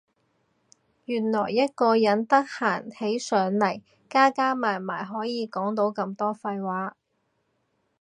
原來一個人得閒起上嚟加加埋埋可以講到咁多廢話